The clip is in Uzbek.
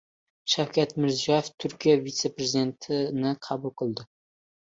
Shavkat Mirziyoev Turkiya vitse-prezidentini qabul qildi